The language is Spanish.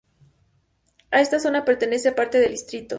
A esta zona pertenece parte del distrito.